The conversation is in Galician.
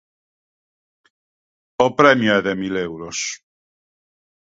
O premio é de mil euros.